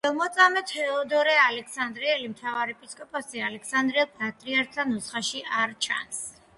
მღვდელმოწამე თეოდორე ალექსანდრიელი მთავარეპისკოპოსი ალექსანდრიელ პატრიარქთა ნუსხაში არ ჩანს.